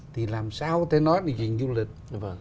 thì làm sao có thể nói về chuyện du lịch